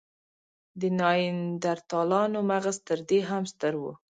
د نایندرتالانو مغز تر دې هم ستر و.